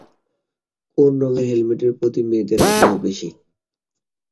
কোন রঙের হেলমেটের প্রতি মেয়েদের আগ্রহ বেশি?